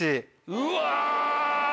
うわ。